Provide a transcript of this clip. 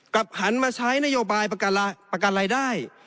หันมาใช้นโยบายประกันรายได้